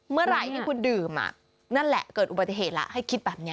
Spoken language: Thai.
เมื่อไหร่ที่คุณดื่มนั่นแหละเกิดอุบัติเหตุแล้วให้คิดแบบนี้